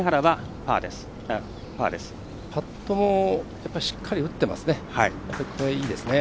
パットもしっかり打ってますね。